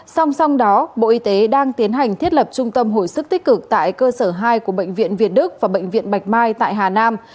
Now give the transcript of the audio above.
song song đó bộ y tế đang tiến hành thiết lập trung tâm hồi sức tích cực tại cơ sở hai của bệnh viện việt đức và bệnh viện bạch mai tại hà nam